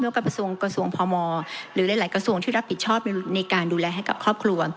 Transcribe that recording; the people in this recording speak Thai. ว่ากระทรวงกระทรวงพมหรือหลายกระทรวงที่รับผิดชอบในการดูแลให้กับครอบครัว